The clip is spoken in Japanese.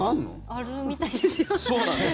あるみたいですよ。